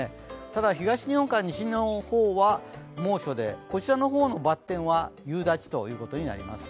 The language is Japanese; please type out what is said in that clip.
ただ東日本から西日本は猛暑でこちらの方のバッテンは夕立ということになります。